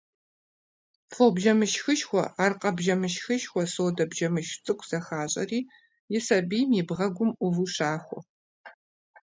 Фо бжэмышхышхуэ, аркъэ бжэмышхышхуэ, содэ бжэмышх цӀыкӀу зэхащӀэри и сабийм и бгъэгум Ӏуву щахуэ.